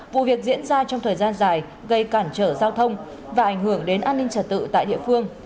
vụ việc diễn ra trong thời gian dài gây cản trở giao thông và ảnh hưởng đến an ninh trật tự tại địa phương